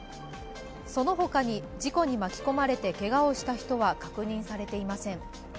その他に事故に巻き込まれてけがをした人は確認されていません。